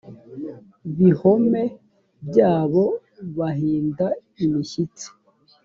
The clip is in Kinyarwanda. bihome byabo bahinda imishyitsi